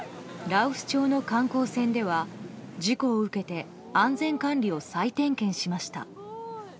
羅臼町の観光船では事故を受けて安全管理を再点検しました。